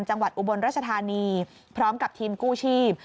จังหวัดอูบลรัชธานีพร้อมกับทีมกู้ชีพ